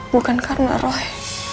bukan karena roy